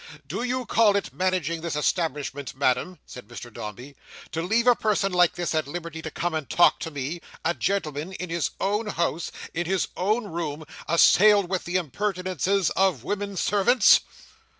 "Do you call it managing this establishment, Madam," said Mr Dombey, "to leave a person like this at liberty to come and talk to me! A gentleman—in his own house—in his own room—assailed with the impertinences of women servants!"